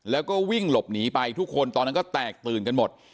แล้วก็วิ่งหลบหนีไปทุกคนตอนนั้นก็แตกตื่นกันหมด